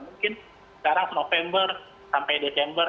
mungkin sekarang november sampai desember